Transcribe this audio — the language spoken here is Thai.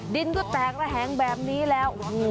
ดินก็แตกระแหงแบบนี้แล้ว